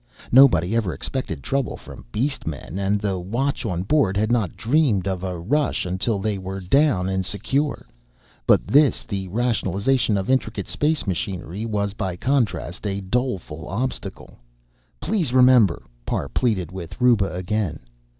Nobody ever expected trouble from beast men, and the watch on board had not dreamed of a rush until they were down and secure. But this the rationalization of intricate space machinery was by contrast a doleful obstacle. "Please remember," Parr pleaded with Ruba again.